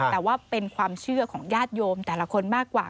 แต่ว่าเป็นความเชื่อของญาติโยมแต่ละคนมากกว่า